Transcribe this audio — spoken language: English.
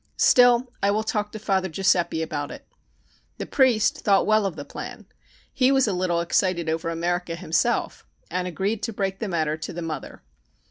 Still, I will talk to Father Giuseppi about it." The priest thought well of the plan (he was a little excited over America himself), and agreed to break the matter to the mother.